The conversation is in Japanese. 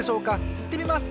いってみます！